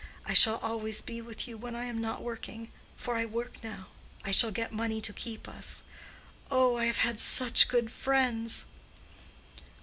I shall always be with you when I am not working. For I work now. I shall get money to keep us. Oh, I have had such good friends."